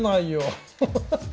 ハハハッ。